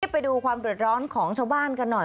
ไปดูความเดือดร้อนของชาวบ้านกันหน่อย